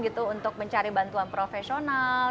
untuk mencari bantuan profesional